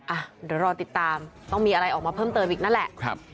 อ่ะเดี๋ยวรอติดตามต้องมีอะไรออกมาเพิ่มเติมอีกนั่นแหละครับ